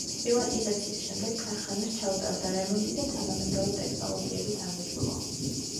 პრივატიზაციის შემდეგ ქარხანას ჩაუტარდა რემონტი და თანამედროვე ტექნოლოგიებით აღიჭურვა.